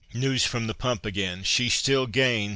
News from the pump again. "She still gains!